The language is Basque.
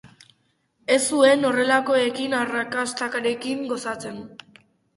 Ez zuen horrelakoekin, arrakastarekin gozatzen.